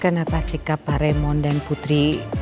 kenapa sikap pak raymond dan putri